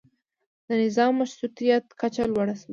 د نظام مشروطیت کچه لوړه شي.